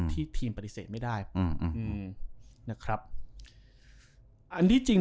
ที่ทีมต้องปฏิเสธไม่ได้